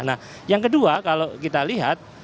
nah yang kedua kalau kita lihat